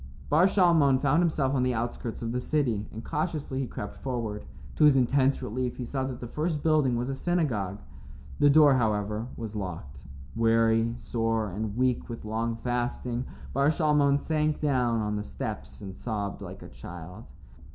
II Bar Shalmon found himself on the outskirts of the city, and cautiously he crept forward. To his intense relief, he saw that the first building was a synagogue. The door, however, was locked. Weary, sore, and weak with long fasting, Bar Shalmon sank down on the steps and sobbed like a child.